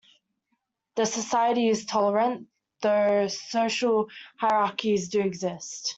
The society is tolerant, though social hierarchies do exist.